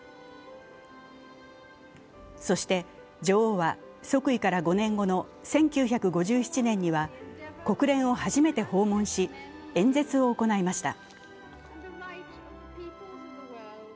そして女王は、即位から５年後の１９５７年には国連を初めて訪問し、演説を行いました。